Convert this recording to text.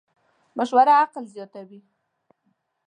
مشوره عقل زیاتوې.